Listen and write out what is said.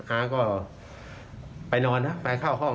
ค้าก็ไปนอนนะไปเข้าห้อง